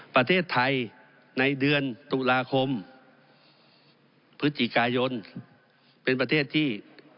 ประเทศไทยในเดือนตุลาคมพฤศจิกายนเป็นประเทศที่